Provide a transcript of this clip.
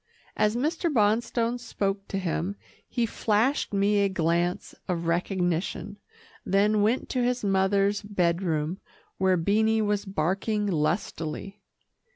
As Mr. Bonstone spoke to him, he flashed me a glance of recognition, then went to his mother's bed room, where Beanie was barking lustily.